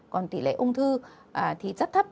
còn tỷ lệ ung thư thì rất thấp